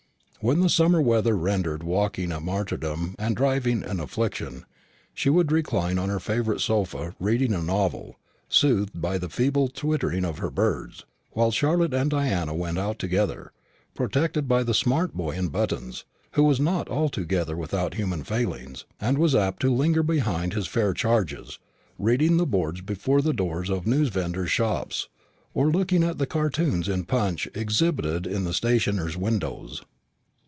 When the summer weather rendered walking a martyrdom and driving an affliction, she could recline on her favourite sofa reading a novel, soothed by the feeble twittering of her birds; while Charlotte and Diana went out together, protected by the smart boy in buttons, who was not altogether without human failings, and was apt to linger behind his fair charges, reading the boards before the doors of newsvendors' shops, or looking at the cartoons in Punch exhibited in the stationers' windows.